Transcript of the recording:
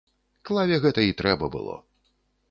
Клаве гэта і трэба было.